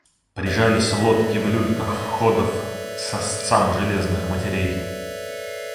Прижались лодки в люльках входов к сосцам железных матерей.